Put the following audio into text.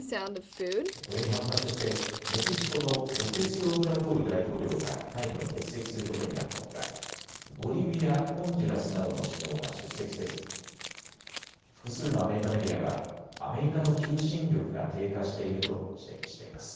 これに反発してメキシコのロペスオブラドール大統領が会議を欠席することになったほかボリビア、ホンジュラスなどの首脳が出席せず複数のアメリカメディアはアメリカの求心力が低下していると指摘しています。